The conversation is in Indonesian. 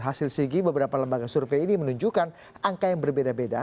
hasil sigi beberapa lembaga survei ini menunjukkan angka yang berbeda beda